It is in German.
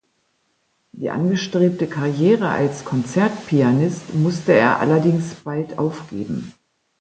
Die angestrebte Karriere als Konzertpianist musste er allerdings bald aufgeben.